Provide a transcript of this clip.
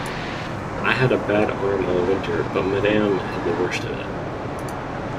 'I had a bad arm all winter, but Madam had the worst of it.